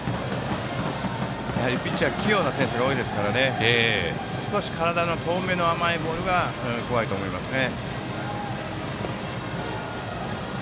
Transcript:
ピッチャーは器用な選手が多いので少し体に遠めの甘いボールが怖いですね。